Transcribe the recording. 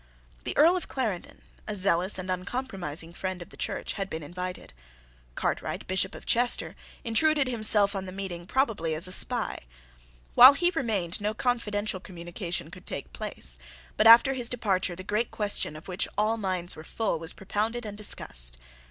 The Earl of Clarendon, a zealous and uncompromising friend of the Church, had been invited. Cartwright, Bishop of Chester, intruded himself on the meeting, probably as a spy. While he remained, no confidential communication could take place; but, after his departure, the great question of which all minds were full was propounded and discussed.